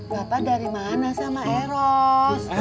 bapak dari mana sama eros